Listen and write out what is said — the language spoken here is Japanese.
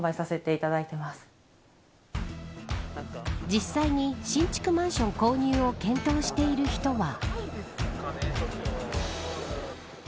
実際に新築マンション購入を検討している人は。